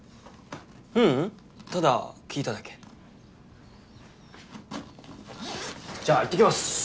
ううんただ聞いただけじゃあいってきます